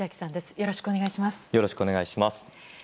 よろしくお願いします。